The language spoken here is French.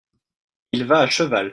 il va à cheval.